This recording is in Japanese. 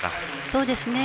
そうですね。